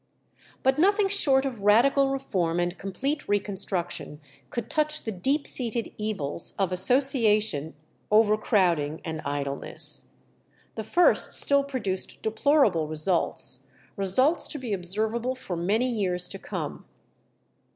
But nothing short of radical reform and complete reconstruction could touch the deep seated evils of association, overcrowding, and idleness. The first still produced deplorable results results to be observable for many years to come.